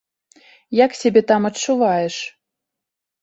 Як сябе там адчуваеш?